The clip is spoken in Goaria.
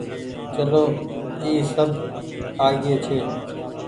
چلو اي سب آگيئي ڇي۔